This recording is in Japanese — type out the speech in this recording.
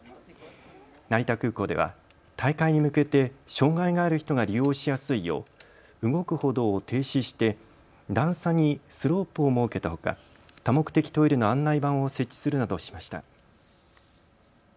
成田空港では大会に向けて障害がある人が利用しやすいよう動く歩道を停止して段差にスロープを設けたほか多目的トイレの案内板を設置するなどしました。